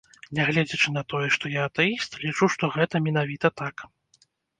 Нягледзячы на тое, што я атэіст, лічу, што гэта менавіта так.